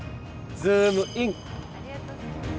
ズームイン！！